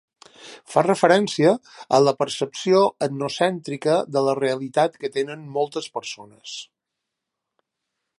Fa referència a la percepció etnocèntrica de la realitat que tenen moltes persones.